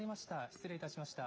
失礼いたしました。